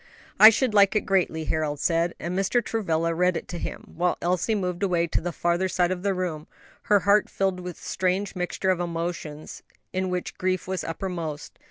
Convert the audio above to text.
"I should like it greatly," Harold said; and Mr. Travilla read it to him, while Elsie moved away to the farther side of the room, her heart filled with a strange mixture of emotions, in which grief was uppermost.